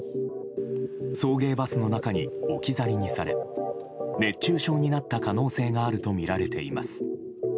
送迎バスの中に置き去りにされ熱中症になった可能性があるとみられています。